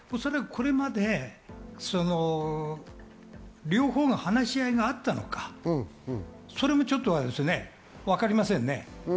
これまで両方の話し合いがあったのか、それもちょっと分かりませんね。